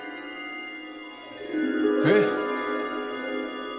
えっ？